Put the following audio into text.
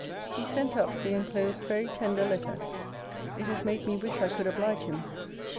He sent up the enclosed very tender letter. It has made me wish I could oblige him.